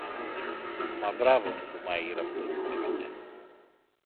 Μα μπράβο του του μάγειρα που το θυμήθηκε!